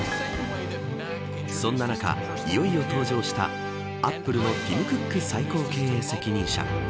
そんな中、いよいよ登場したアップルのティム・クック最高経営責任者。